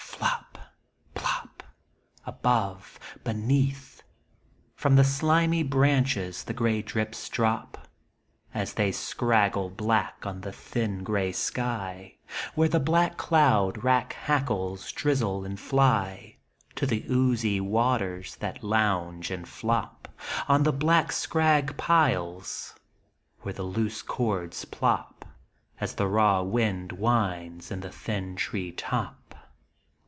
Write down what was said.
Flop, plop, Above, beneath. From the slimy branches the grey drips drop, As they scraggle black on the thin grey sky, Where the black cloud rack hackles drizzle and fly To the oozy waters, that lounge and flop On the black scrag piles, where the loose cords plop, As the raw wind whines in the thin tree top.